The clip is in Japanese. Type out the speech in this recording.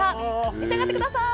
召し上がってください。